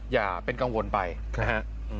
อย่าเป็นกังวลไปนะฮะ